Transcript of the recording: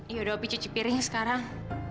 yaudah opi cuci piring sekarang